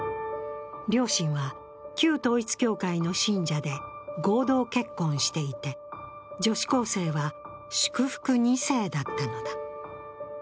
両親は旧統一教会の信者で合同結婚していて、女子高生は祝福２世だったのだ。